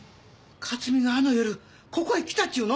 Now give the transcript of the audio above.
克巳があの夜ここへ来たっちゅうの！？